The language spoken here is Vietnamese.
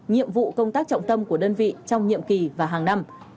nhiệm vụ công tác trọng tâm của đơn vị trong nhiệm kỳ và hàng năm